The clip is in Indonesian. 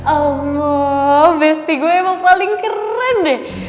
allah bestie gue emang paling keren deh